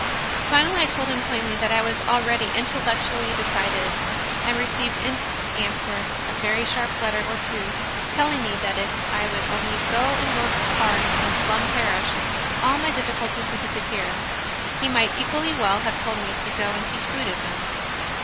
Finally I told him plainly that I was already intellectually decided, and received in answer a very sharp letter or two, telling me that if I would only go and work hard in some slum parish all my difficulties would disappear. He might equally well have told me to go and teach Buddhism.